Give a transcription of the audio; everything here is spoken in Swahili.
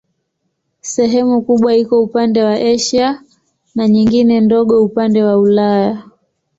Sehemu kubwa iko upande wa Asia na nyingine ndogo upande wa Ulaya.